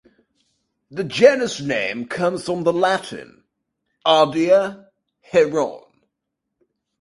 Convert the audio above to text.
The genus name comes from Latin "ardea" "heron".